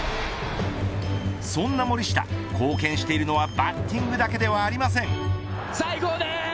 そんな森下、貢献しているのはバッティングだけではありません。